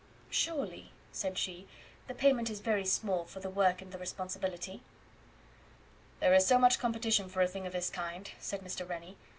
"Surely," said she, "the payment is very small for the work and the responsibility." "There is so much competition for a thing of this kind," said Mr. Rennie.